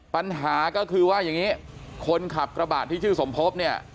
ปัญหาก็คือว่าอย่างนี้คนขับกระบาดที่ชื่อสมภพเนี่ย